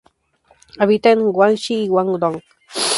Habita en Guangxi y Guangdong.